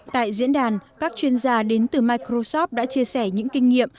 tại diễn đàn các chuyên gia đến từ microsoft đã chia sẻ những kinh nghiệm